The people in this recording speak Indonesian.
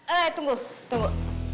eh tunggu tunggu